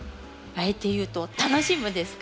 あえて言うと楽しむですかね。